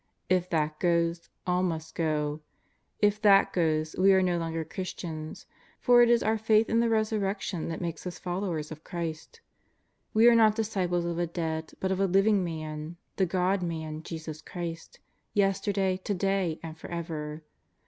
If that goes, all must go. If that goes, we are no longer Christians, for it is our faith in the Resurrection that makes us followers of Christ. We are not disciples of a dead but of a living Man, the God Man Jesus Christ, yesterday, to day, and for ever.